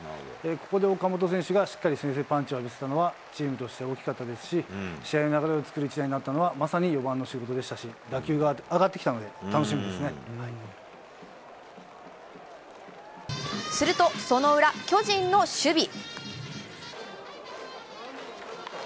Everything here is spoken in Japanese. ここで岡本選手がしっかり先制パンチを浴びせたのは、チームとして大きかったですし、試合の流れを作る一打になったのは、まさに４番の仕事でしたし、打球が上がってきたので楽しみですると、その裏、巨人の守備。